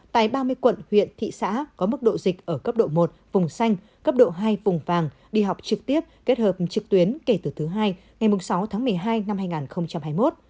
tại ba mươi quận huyện thị xã có mức độ dịch ở cấp độ một vùng xanh cấp độ hai vùng vàng đi học trực tiếp kết hợp trực tuyến kể từ thứ hai ngày sáu tháng một mươi hai năm hai nghìn hai mươi một